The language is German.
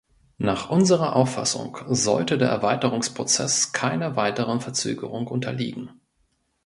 Nach unserer Auffassung sollte der Erweiterungsprozess keiner weiteren Verzögerung unterliegen.